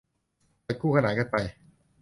จัดคู่ขนานกันไป